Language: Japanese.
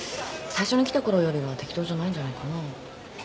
最初に来たころよりは適当じゃないんじゃないかな。